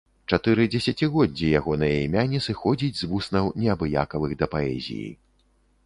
Чатыры дзесяцігоддзі ягонае імя не сыходзіць з вуснаў неабыякавых да паэзіі.